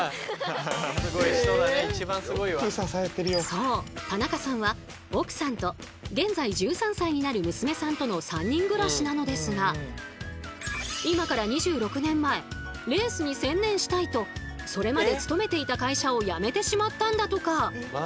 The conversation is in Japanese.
そう田中さんは奥さんと現在１３歳になる娘さんとの３人暮らしなのですが今から２６年前レースに専念したいとそれまで勤めていた会社を辞めてしまったんだとか。